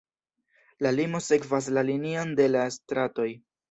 La limo sekvas la linion de la stratoj.